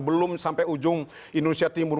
belum sampai ujung indonesia timur